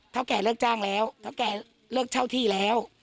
แกเลิกจ้างแล้วเท่าแก่เลิกเช่าที่แล้ว